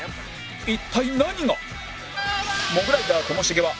一体何が！？